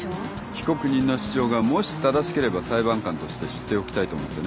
被告人の主張がもし正しければ裁判官として知っておきたいと思ってね。